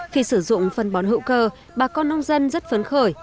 khi sử dụng phân bón hữu cơ bà con nông dân rất phấn khởi